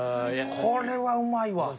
これはうまいわ。